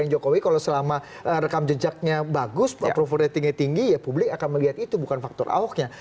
jokowi kalau selama rekam jejaknya bagus approval ratingnya tinggi ya publik akan melihat itu bukan faktor ahoknya